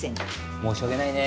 申し訳ないね。